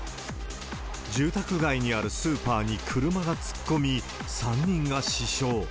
住宅街にあるスーパーに車が突っ込み、３人が死傷。